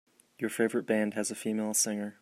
Your favorite band has a female singer.